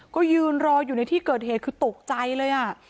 ก็ยืนรออยู่ในที่เกิดเหตุคือตกใจเลย